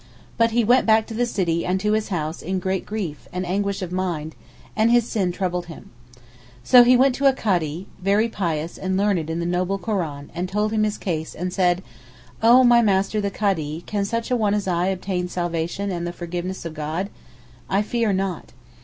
But he went back to the city and to his house in great grief and anguish of mind, and his sin troubled him. So he went to a Kadee, very pious and learned in the noble Koran, and told him his case, and said, 'Oh my master the Kadee, can such a one as I obtain salvation and the forgiveness of God? I fear not.